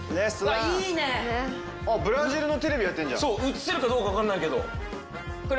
映せるかどうか分かんないけど。